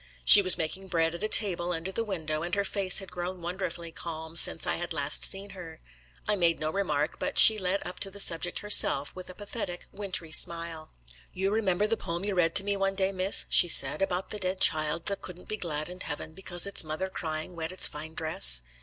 She was making bread at a table under the window, and her face had grown wonderfully calm since I had last seen her. I made no remark, but she led up to the subject herself, with a pathetic, wintry smile. 'You remember the poem you read to me one day, miss,' she said, 'about the dead child that couldn't be glad in heaven because its mother's crying wet its fine dress?'